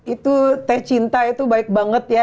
itu teh cinta itu baik banget ya